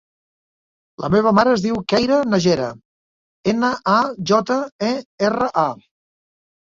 La meva mare es diu Keira Najera: ena, a, jota, e, erra, a.